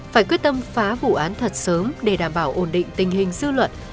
phải quyết tâm phá vụ án thật sớm để đảm bảo ổn định tình hình dư luận